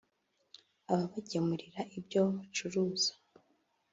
ababagemurira ibyo bacuruza